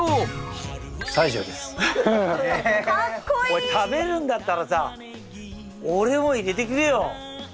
おい食べるんだったらさ俺も入れてくれよ。